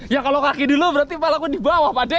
ya kalau kaki dulu berarti kepala aku di bawah pak de